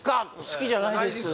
「好きじゃないです」